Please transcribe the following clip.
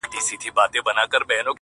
کيسه د فکر سبب ګرځي تل,